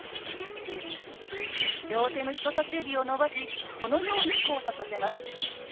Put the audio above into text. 両手の人さし指を伸ばしこのように交差させます。